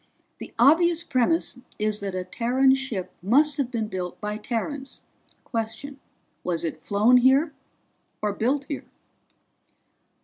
"The obvious premise is that a Terran ship must have been built by Terrans. Question: Was it flown here, or built here?"